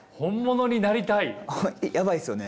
やばいですよね。